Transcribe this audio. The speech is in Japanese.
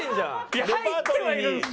いや入ってはいるんですよ